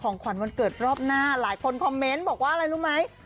ขวัญวันเกิดรอบหน้าหลายคนคอมเมนต์บอกว่าอะไรรู้ไหม